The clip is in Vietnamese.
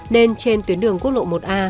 nên trên tuyến đường quốc lộ một a